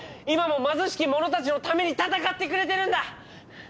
今も貧しき者たちのために戦ってくれてるんだ！